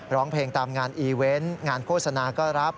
ร้องเพลงตามงานอีเวนต์งานโฆษณาก็รับ